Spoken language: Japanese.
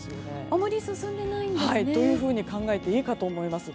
あまり進んでいないんですね。というふうに考えていいかと思います。